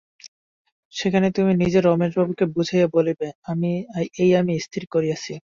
সেখানে তুমি নিজে রমেশবাবুকে বুঝাইয়া বলিবে, এই আমি স্থির করিয়াছি।